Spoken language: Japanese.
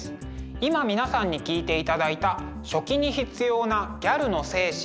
今皆さんに聴いていただいた「書記に必要なギャルの精神」。